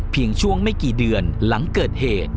ช่วงไม่กี่เดือนหลังเกิดเหตุ